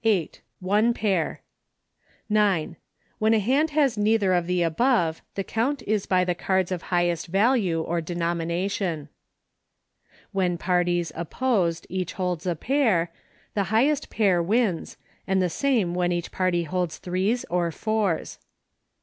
One pair. 9. When a hand has neither of the above, the count is by the cards of highest value or denomination. When parties, opposed, each holds a pair, the highest pair wins, and the same when each party holds threes or fours.